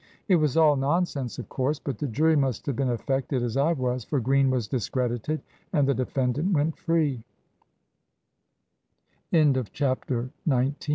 It was all nonsense, of course; but the jury must have been affected as I was, for Green was discredited and the defendant went